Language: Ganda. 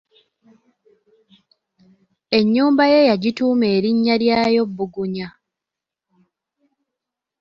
Ennyumba ye yagituuma erinnya lyayo Bugunya.